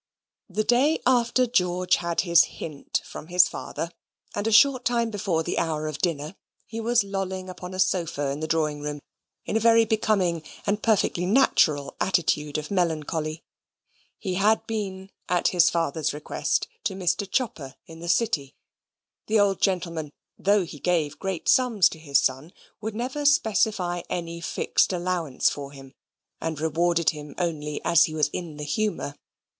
The day after George had his hint from his father, and a short time before the hour of dinner, he was lolling upon a sofa in the drawing room in a very becoming and perfectly natural attitude of melancholy. He had been, at his father's request, to Mr. Chopper in the City (the old gentleman, though he gave great sums to his son, would never specify any fixed allowance for him, and rewarded him only as he was in the humour).